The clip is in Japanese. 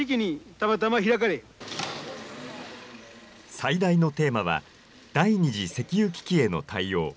最大のテーマは、第２次石油危機への対応。